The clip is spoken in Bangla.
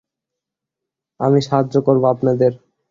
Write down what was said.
আমি সাহায্য করবো আপনাদের।